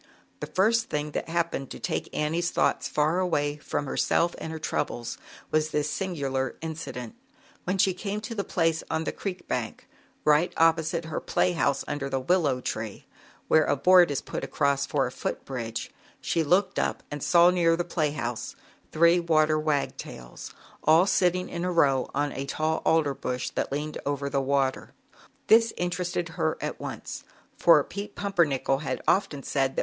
. The first thing that happened to take Annie's thoughts far away from herself and her troubles was this singular inci dent: When she came to the place on the creek bank, right opposite her play house, under the old willow tree, where a board is put across for a foot bridge, she looked up and saw, near the play house, three water wagtails, all sitting in a row, on a tall alder bush that leaned over the water. ^jryfl^C j This interested her at once, for Pete Pumpernickel had often said that ZAUBERLINDA, THE WISE WITCH.